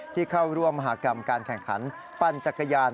ที่เข้าร่วมมหากรรมการแข่งขันปั่นจักรยาน